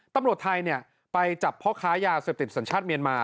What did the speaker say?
ตำรวจไทยไปจับพ่อค้ายาเสพติดสัญชาติเมียนมา